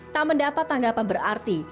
tak mendapat tanggapan berarti